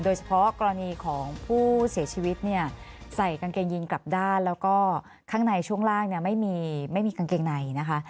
โดยเฉพาะกรณีของผู้เสียชีวิตเนี่ยใส่กางเกงยินกลับด้านแล้วก็ข้างในช่วงล่างเนี่ยไม่มีไม่มีกางเกงในนะคะ